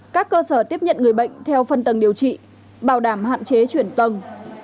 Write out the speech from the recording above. các cơ sở tiếp nhận người bệnh theo phân tầng điều trị bảo đảm hạn chế chuyển tầng